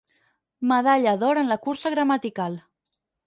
Medalla d'or en la cursa gramatical.